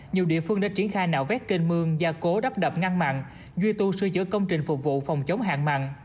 nhiều địa phương đã triển khai nạo vét kênh mương gia cố đắp đập ngăn mặn duy tu sửa chữa công trình phục vụ phòng chống hạn mặn